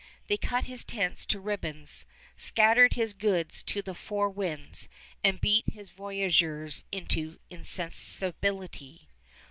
They cut his tents to ribbons, scatter his goods to the four winds, and beat his voyageurs into insensibility.